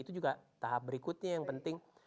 itu juga tahap berikutnya yang penting